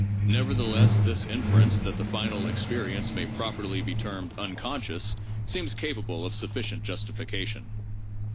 Nevertheless, this inference that the final experience may properly be termed unconscious seems capable of sufficient justification.